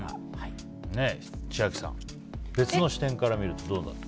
千秋さん別の視点から見るとどうなる？